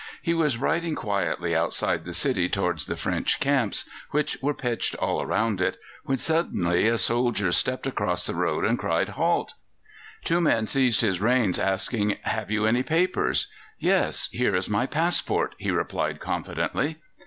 He was riding quietly outside the city towards the French camps which were pitched all round it, when suddenly a soldier stepped across the road, and cried, "Halt!" Two men seized his reins, asking, "Have you any papers?" "Yes; here is my passport," he replied confidently.